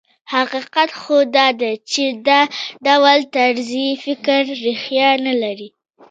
حقیقت خو دا دی چې دا ډول طرز فکر ريښه نه لري.